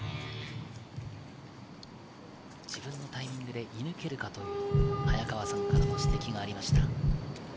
自分のタイミングで射抜けるかという早川さんからの指摘がありました。